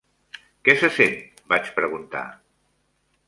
"Què se sent?" vaig preguntar.